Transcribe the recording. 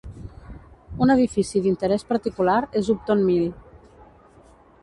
Un edifici d'interès particular és Upton Mill.